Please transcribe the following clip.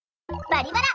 「バリバラ」！